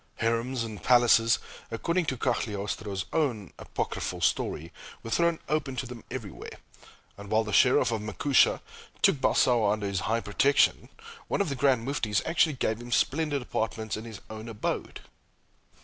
Harems and palaces, according to Cagliostro's own apocryphal story, were thrown open to them everywhere, and while the Scherif of Mecuca took Balsao under his high protection, one of the Grand Muftis actually gave him splendid apartments in his own abode.